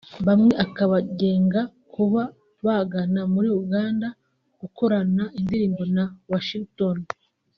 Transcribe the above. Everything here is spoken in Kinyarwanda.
bamwe akabangenga kuba bagana muri Uganda gukorana indirimbo na Washington